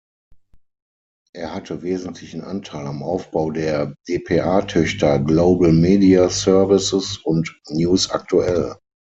Er hatte wesentlichen Anteil am Aufbau der dpa-Töchter „global media services“ und „news aktuell“.